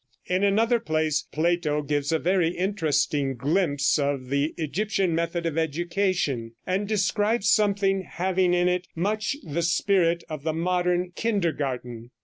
In another place Plato gives a very interesting glimpse of the Egyptian method of education, and describes something having in it much the spirit of the modern kindergarten.